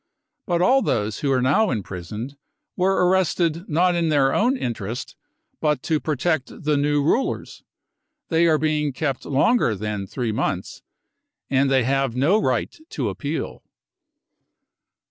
But all those who are now imprisoned were arrested not in their own interest but to protect the new rulers. They are being kept longer than three months. And they have no right to appeal.